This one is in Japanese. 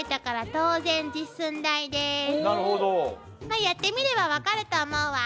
まあやってみれば分かると思うわ。